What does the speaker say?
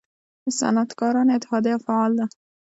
د صنعتکارانو اتحادیه فعال ده؟